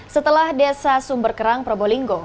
setelah desa sumber kerang probolinggo